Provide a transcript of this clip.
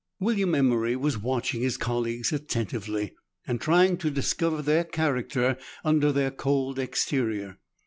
William Emery was watching his colleagues attentively, and trying to discover their character under their cold exterior.